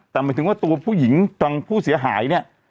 แต่หมายถึงว่าตัวผู้หญิงทางผู้เสียหายเนี่ย